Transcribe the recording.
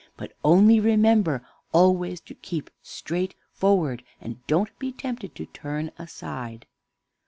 But only remember always to keep straight forward, and don't be tempted to turn aside."